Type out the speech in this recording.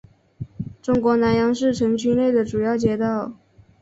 中国南阳市城区内的主要街道。